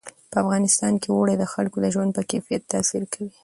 په افغانستان کې اوړي د خلکو د ژوند په کیفیت تاثیر کوي.